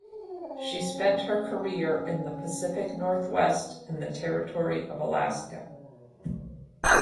She spent her career in the Pacific Northwest and the Territory of Alaska.